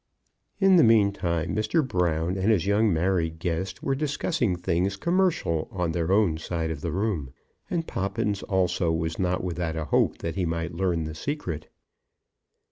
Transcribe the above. In the meantime Mr. Brown and his young married guest were discussing things commercial on their own side of the room, and Poppins, also, was not without a hope that he might learn the secret.